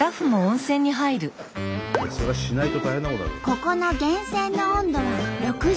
ここの源泉の温度は６４度。